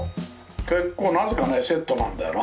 結構なぜかねセットなんだよな。